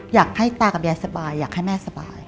อยากให้ตากับยายสบายอยากให้แม่สบาย